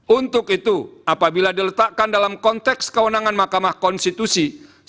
untuk itu apabila diletakkan dalam konteks kewenangan mahkamah konstitusi